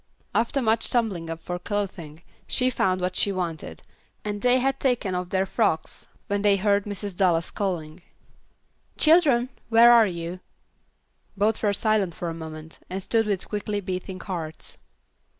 After much tumbling up of clothing, she found what she wanted, and they had taken off their frocks when they heard Mrs. Dallas calling, "Children, where are you?" Both were silent for a moment, and stood with quickly beating hearts.